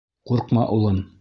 — Ҡурҡма, улым.